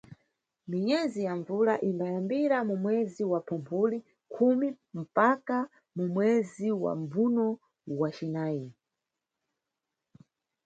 Minyezi ya mbvula imbayambira mu mwezi wa Phumphuli khumi mpaka mu mwezi wa Mbvuno wa cinayi.